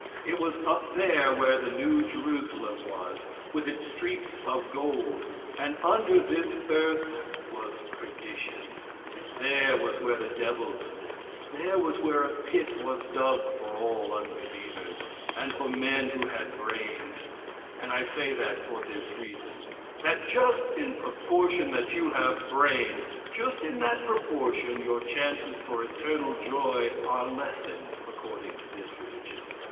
It was up there where the New Jerusalem was, with its streets of gold, and under this earth was perdition; there was where the devils lived; there was where a pit was dug for all unbelievers, and for men who had brains, and I say that for this reason: That just in proportion that you have brains, just in that proportion your chances for eternal joy are lessened, according to this religion.